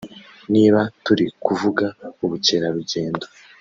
niba turi kuvuga ubukerarugendo